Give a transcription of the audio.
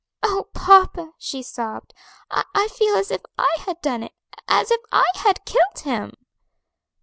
"Oh, papa," she sobbed, "I feel as if I had done it as if I had killed him."